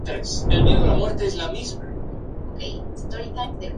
Juega como extremo y de mediapunta.